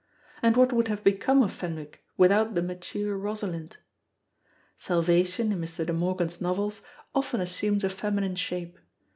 And what would have become of Fenwick without the mature Rosalind? Salvation, in Mr. De Morgan's novels, often assumes a feminine shape.